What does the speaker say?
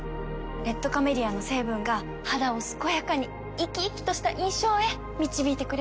レッドカメリアの成分が肌を健やかに生き生きとした印象へ導いてくれるんだよ。